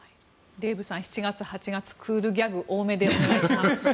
デーブさん、７月、８月クールギャグ多めでお願いします。